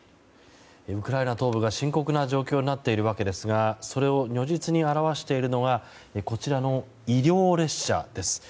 ウクライナ東部が深刻な状況になっている訳ですがそれを如実に表しているのがこちらの医療列車です。